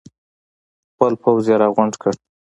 خپل پوځ یې راغونډ کړ.